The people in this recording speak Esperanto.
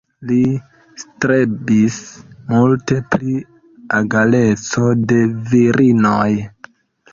Li strebis multe pri egaleco de virinoj.